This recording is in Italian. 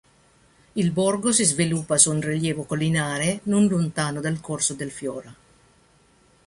Il borgo si sviluppa su un rilievo collinare non lontano dal corso del Fiora.